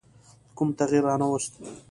کوم تغییر رانه ووست.